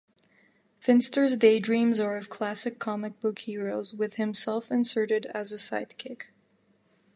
Finster's daydreams are of classic comic book heroes, with himself inserted as a sidekick.